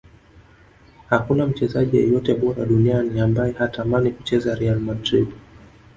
hakuna mchezaji yeyote bora duniani ambaye hatamani kucheza real madrid